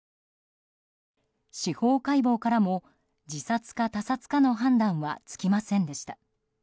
司法解剖からも自殺か、他殺かの判断はつきませんでした。